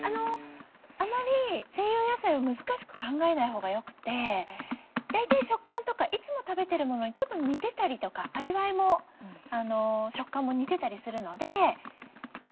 あまり西洋野菜を難しく考えないほうがよくて大体食感とかいつも食べてるものにちょっと似てたりとか味わいも食感も似てたりするので和食にも意外に合うんですね。